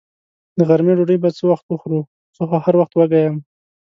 د غرمې ډوډۍ به څه وخت خورو؟ زه خو هر وخت وږې یم.